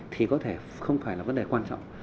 thì có thể không phải là vấn đề quan trọng